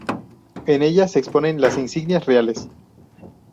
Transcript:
En ella se exponen las insignias reales.